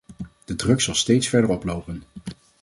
De druk zal steeds verder oplopen.